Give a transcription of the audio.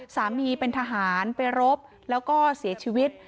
สามีเป็นทหารไปรบแล้วก็เสียชีวิต